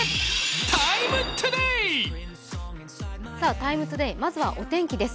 「ＴＩＭＥ，ＴＯＤＡＹ」、まずはお天気です。